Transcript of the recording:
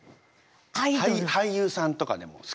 俳優さんとかでも好きな。